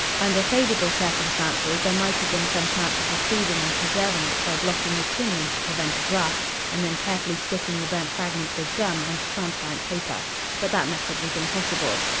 Under favourable circumstances there might have been some chance of retrieving and preserving it by blocking the chimney to prevent a draught and then carefully sticking the burnt fragments with gum on to transparent paper. But that method was impossible.